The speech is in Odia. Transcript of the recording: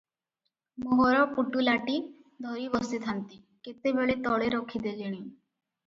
ମୋହର ପୁଟୁଳାଟି ଧରି ବସିଥାନ୍ତି, କେତେବେଳେ ତଳେ ରଖି ଦେଲେଣି ।